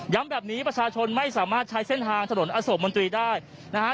แบบนี้ประชาชนไม่สามารถใช้เส้นทางถนนอโศกมนตรีได้นะฮะ